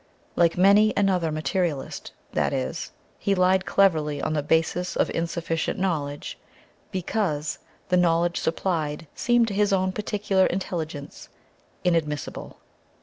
Like many another materialist, that is, he lied cleverly on the basis of insufficient knowledge, because the knowledge supplied seemed to his own particular intelligence inadmissible.